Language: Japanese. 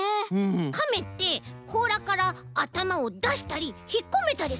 カメってこうらからあたまをだしたりひっこめたりするもんね。